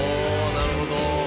なるほど」